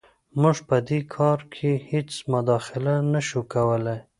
موږ په دې کار کې هېڅ مداخله نه شو کولی.